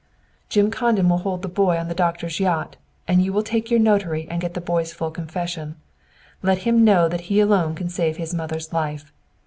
"Jim Condon will hold the boy on the doctor's yacht, and you will take your notary and get the boy's full confession. Let him know that he alone can save his mother's life.